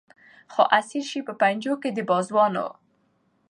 خو اسیر سي په پنجو کي د بازانو